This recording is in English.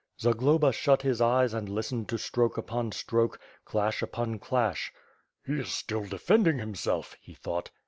Zagloba shut his eyes and listened to stroke upon stroke, clash upon clash. "He is still defending himself," he thought.